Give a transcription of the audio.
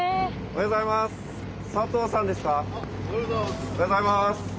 おはようございます。